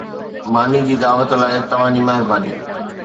ماني جي دعوت لاءِ توهان جي مهرباني